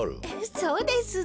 そうですね。